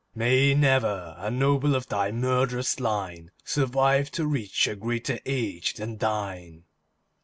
"May ne'er a noble of thy murd'rous line Survive to reach a greater age than thine!"